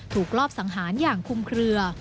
รอบสังหารอย่างคุมเคลือ